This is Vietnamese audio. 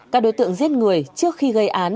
các đối tượng giết người trước khi gây án